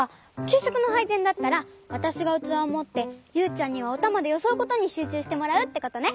きゅうしょくのはいぜんだったらわたしがうつわをもってユウちゃんにはおたまでよそうことにしゅうちゅうしてもらうってことね。